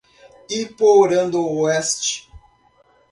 Iporã do Oeste